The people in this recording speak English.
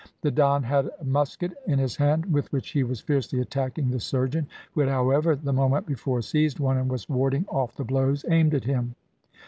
The Don had a musket in his hand with which he was fiercely attacking the surgeon, who had, however, the moment before seized one, and was warding off the blows aimed at him.